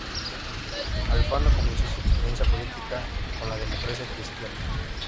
Alfano comenzó su experiencia política con la Democracia Cristiana.